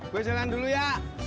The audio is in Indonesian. gue jalan dulu ya